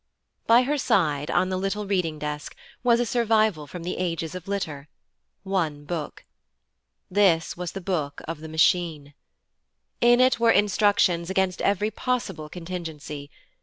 By her side, on the little reading desk, was a survival from the ages of litter one book. This was the Book of the Machine. In it were instructions against every possible contingency.